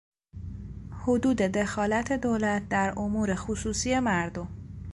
حدود دخالت دولت در امور خصوصی مردم